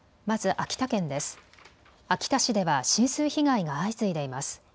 秋田市では浸水被害が相次いでいます。